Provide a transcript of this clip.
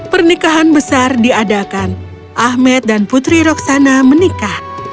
pernikahan besar diadakan ahmed dan putri roksana menikah